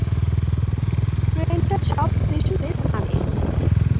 ট্রেনটা সব স্টেশনে থামে।